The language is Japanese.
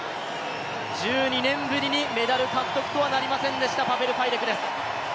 １２年ぶりにメダル獲得とはなりませんでしたパベル・ファイデクです。